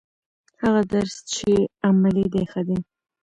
هغه درس چې عملي دی ښه دی.